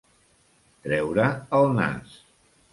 Treure el nas.